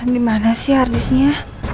dimana sih harddisknya